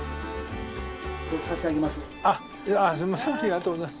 これ差し上げます。